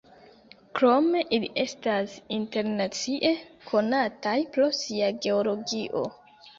Krome ili estas internacie konataj pro sia geologio.